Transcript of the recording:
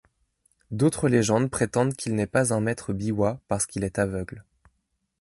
D'autres légendes prétendent qu'il n'est pas un maître biwa parce qu'il est aveugle.